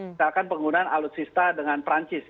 misalkan penggunaan alutsista dengan perancis